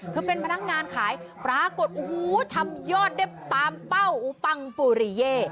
เป็นพนักงานขายปรากฏโอ้โหทำยอดได้ตามเป้าอุปังปุริเย่